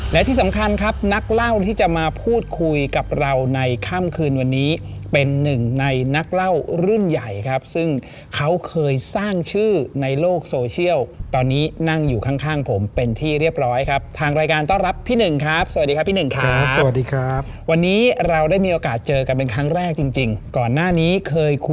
และที่สำคัญครับนักเล่าที่จะมาพูดคุยกับเราในค่ำคืนวันนี้เป็นหนึ่งในนักเล่ารุ่นใหญ่ครับซึ่งเขาเคยสร้างชื่อในโลกโซเชียลตอนนี้นั่งอยู่ข้างข้างผมเป็นที่เรียบร้อยครับทางรายการต้อนรับพี่หนึ่งครับสวัสดีครับพี่หนึ่งครับสวัสดีครับวันนี้เราได้มีโอกาสเจอกันเป็นครั้งแรกจริงจริงก่อนหน้านี้เคยคุย